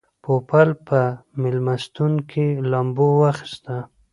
پوپل په مېلمستون کې لامبو واخیسته.